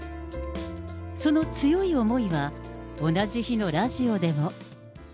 その強い思いは、同じ日のラジオでも。